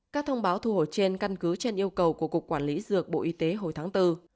các thông báo thu hồi trên căn cứ trên yêu cầu của cục quản lý dược bộ y tế hồi tháng bốn